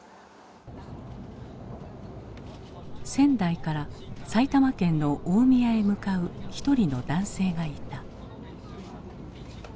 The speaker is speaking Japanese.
仙台から埼玉県の大宮へ向かう一人の男性がいた。